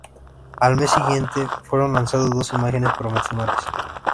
Al mes siguiente, fueron lanzados dos imágenes promocionales.